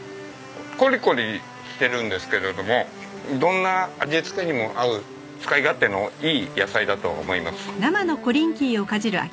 コリコリしてるんですけれどもどんな味付けにも合う使い勝手のいい野菜だと思います。